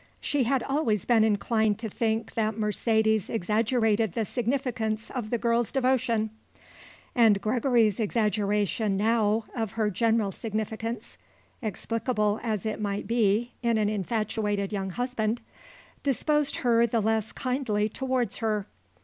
She had always been inclined to think that Mercedes exaggerated the significance of the girl's devotion, and Gregory's exaggeration, now, of her general significance explicable as it might be in an infatuated young husband disposed her the less kindly towards her.